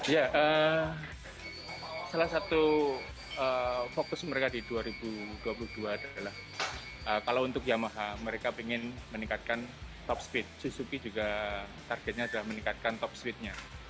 ya salah satu fokus mereka di dua ribu dua puluh dua adalah kalau untuk yamaha mereka ingin meningkatkan top speed suzuki juga targetnya adalah meningkatkan top speednya